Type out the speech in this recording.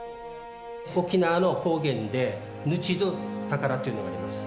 沖縄の方言で、命どぅ宝っていうのがあります。